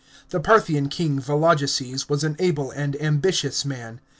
Tiie Parthian king, Vologeses, was an able and ambitious man.